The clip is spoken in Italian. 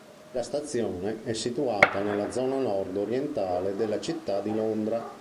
La stazione è situata nella zona nord orientale della Città di Londra.